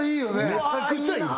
めちゃくちゃいい！